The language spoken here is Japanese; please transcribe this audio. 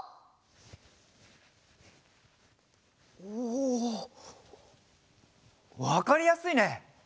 おおわかりやすいね！